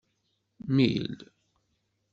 Mil.